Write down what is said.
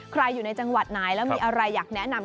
อยู่ในจังหวัดไหนแล้วมีอะไรอยากแนะนำ